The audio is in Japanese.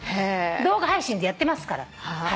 動画配信でやってますから。